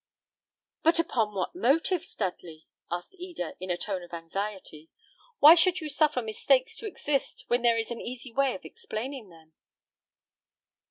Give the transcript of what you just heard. "But upon what motives, Dudley?" asked Eda, in a tone of anxiety. "Why should you suffer mistakes to exist when there is an easy way of explaining them?"